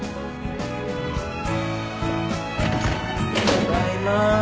ただいま。